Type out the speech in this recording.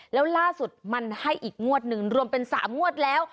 แล้วล่าสุดมันให้อีกงวดหนึ่งรวมเป็น๓งวดแล้ว